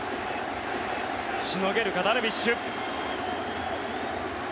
しのげるかダルビッシュ。